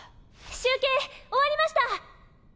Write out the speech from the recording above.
集計終わりました！